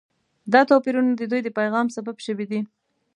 دا توپیرونه د دوی د پیغام سبب شوي دي.